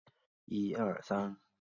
万历二十年进士。